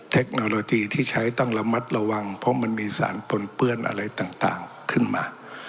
เทคโนโลยีที่ใช้ต้องระมัดระวังเพราะมันมีสารปนเปื้อนอะไรต่างขึ้นมา